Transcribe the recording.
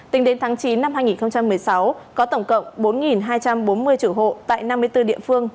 tính đến tháng chín năm hai nghìn một mươi sáu có tổng cộng bốn hai trăm bốn mươi chủ hộ tại năm mươi bốn địa phương